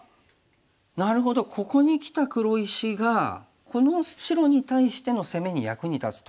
なるほどここにきた黒石がこの白に対しての攻めに役に立つと。